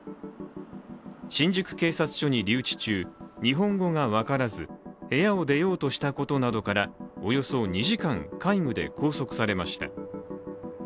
新宿警察署に留置中、日本語が分からず部屋を出ようとしたことなどからおよそ２時間、戒具で拘束されました。